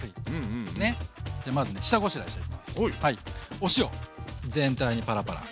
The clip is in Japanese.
お塩全体にパラパラ。